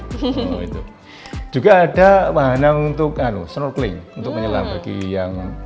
sangat bersih putih juga ada mana untuk snorkeling untuk menyelam bagi yang